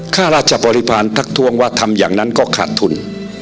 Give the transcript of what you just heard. ข้าราชบริพาณทักทวงว่าทำอย่างนั้นก็ขาดทุน